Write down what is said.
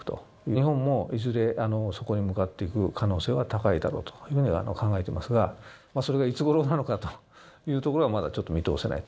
日本もいずれそこに向かっていく可能性は高いだろうというふうには考えていますが、それがいつ頃なのかというところは、まだちょっと見通せない。